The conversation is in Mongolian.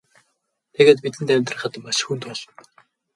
Тэгээд бидэнд амьдрахад маш хүнд болно.